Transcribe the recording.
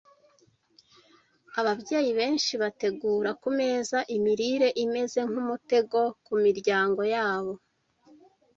Ababyeyi benshi bategura ku meza imirire imeze nk’umutego ku miryango yabo